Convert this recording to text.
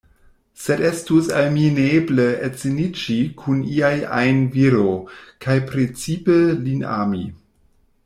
Sed estus al mi neeble edziniĝi kun ia ajn viro, kaj precipe lin ami.